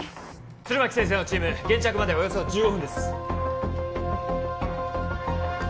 弦巻先生のチーム現着までおよそ１５分です